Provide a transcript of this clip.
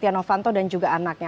setia novanto dan juga anaknya